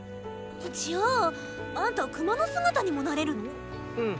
じゃああんたクマの姿にもなれるの⁉うん。